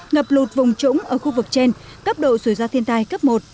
ngập lụt vùng trũng ở khu vực trên cấp độ sửa ra thiên tai cấp một